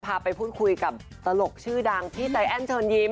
พาไปพูดคุยกับตลกชื่อดังพี่ใจแอ้นเชิญยิ้ม